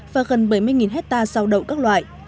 và gần bảy mươi ha rau đậu các loại